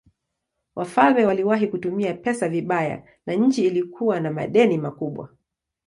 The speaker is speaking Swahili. Wafalme waliwahi kutumia pesa vibaya na nchi ilikuwa na madeni makubwa.